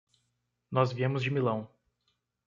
Nós viemos de Milão.